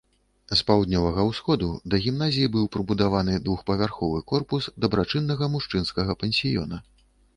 З паўднёвага ўсходу да гімназіі быў прыбудаваны двухпавярховы корпус дабрачыннага мужчынскага пансіёна.